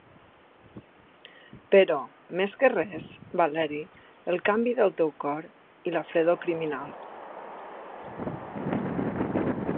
Però, més que res, Valeri, el canvi del teu cor, i la fredor criminal.